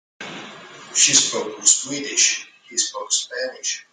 She spoke Swedish, he spoke Spanish.